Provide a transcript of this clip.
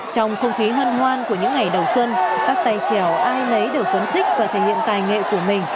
trong không khí hân hoan của những ngày đầu xuân các tay trèo ai nấy đều phấn khích và thể hiện tài nghệ của mình